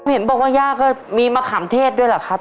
เห็นบอกว่าย่าก็มีมะขามเทศด้วยเหรอครับ